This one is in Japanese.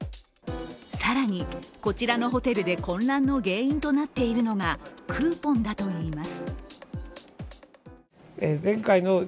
更に、こちらのホテルで混乱の原因となっているのがクーポンだといいます。